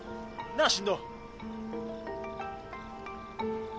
なあ進藤。